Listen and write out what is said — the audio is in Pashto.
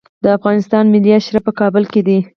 د افغانستان ملي آرشیف په کابل کې دی